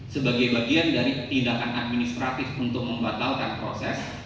sebagai bagian dari tindakan administratif untuk membatalkan proses